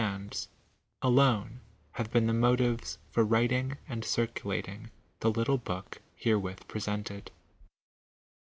ads — alone have been the motives for writing and cir culating the little book herewith presented.